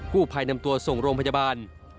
ผู้ภัยนำตัวส่งโรงพยาบาล